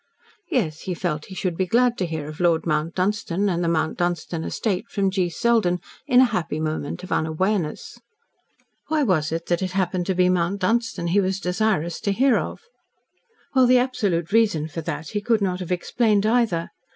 Yes, he felt he should be glad to hear of Lord Mount Dunstan and the Mount Dunstan estate from G. Selden in a happy moment of unawareness. Why was it that it happened to be Mount Dunstan he was desirous to hear of? Well, the absolute reason for that he could not have explained, either.